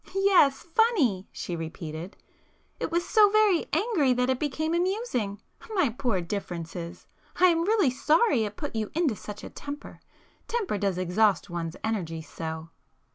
"Yes, funny!" she repeated—"It was so very angry that it became amusing. My poor 'Differences'! I am really sorry it put you into such a temper,—temper does exhaust one's energies so!"